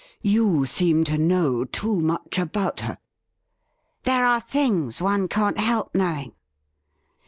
' You seem to know too much about her.' ' There are things one can't help knowing.'